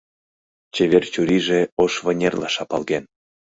Чевер чурийже ош вынерла шапалген.